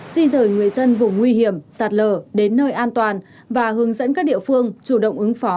di rời người dân vùng nguy hiểm sạt lở đến nơi an toàn và hướng dẫn các địa phương chủ động ứng phó